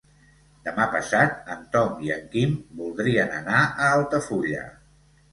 Demà passat en Tom i en Quim voldrien anar a Altafulla.